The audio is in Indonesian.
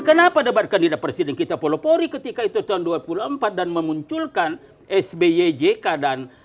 kenapa debat kandidat presiden kita pelopori ketika itu tahun dua puluh empat dan memunculkan sby jk dan